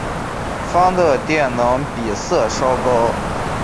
钫的电离能比铯稍高。